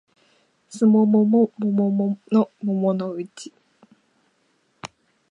すもももももものもものうち